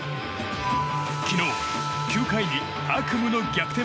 昨日、９回に悪夢の逆転